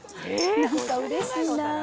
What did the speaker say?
なんかうれしいな。